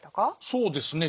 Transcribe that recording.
そうですね